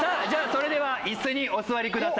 それでは椅子にお座りください。